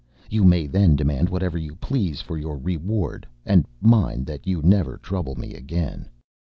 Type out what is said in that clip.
You may then demand whatever you please for your reward; and mind that you never trouble me again.